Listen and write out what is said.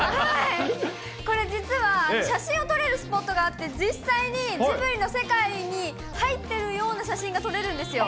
これ、実は写真を撮れるスポットがあって、実際にジブリの世界に入ってるような写真が撮れるんですよ。